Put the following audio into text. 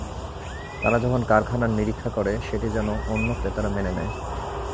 তারা যখন কারখানার নিরীক্ষা করে, সেটি যেন অন্য ক্রেতারা মেনে নেয়।